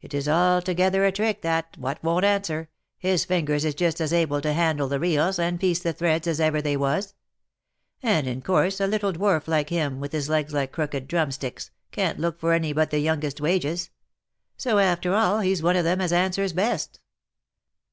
It is altogether a trick that, what won't answer — his fingers is just as able to handle the reels, and piece the threads as ever they was ; and in course, a little dwarf like him, with his legs like crooked drumsticks, can't look for any but the youngest wages ; so after all, he's one of them as answers best."